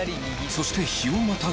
そして日をまたぎ